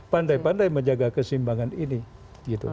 pandai pandai menjaga kesimbangan ini gitu